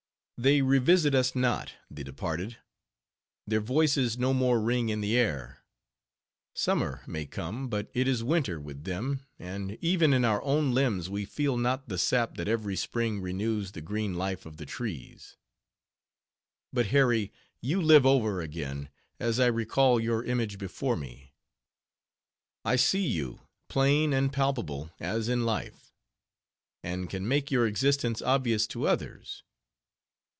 They revisit us not, the departed; their voices no more ring in the air; summer may come, but it is winter with them; and even in our own limbs we feel not the sap that every spring renews the green life of the trees. But Harry! you live over again, as I recall your image before me. I see you, plain and palpable as in life; and can make your existence obvious to others.